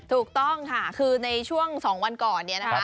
ถูกต้องค่ะคือในช่วง๒วันก่อนเนี่ยนะคะ